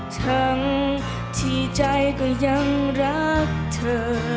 ทั้งที่ใจก็ยังรักเธอ